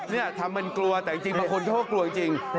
นี่ทำเป็นกลัวแต่จริงบางคนเขาก็กลัวจริง